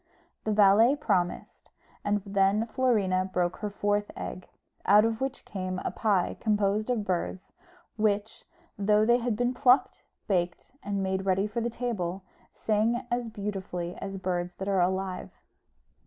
The valet promised; and then Florina broke her fourth egg, out of which came a pie composed of birds, which, though they had been plucked, baked, and made ready for the table, sang as beautifully as birds that are alive.